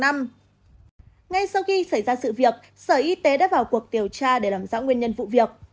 ngay sau khi xảy ra sự việc sở y tế đã vào cuộc điều tra để làm rõ nguyên nhân vụ việc